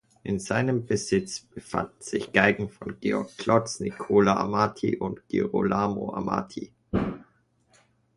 In seinem Besitz befanden sich Geigen von Georg Klotz, Nicola Amati und Girolamo Amati.